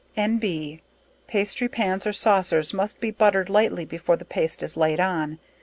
N.B. pastry pans, or saucers, must be buttered lightly before the paste is laid on.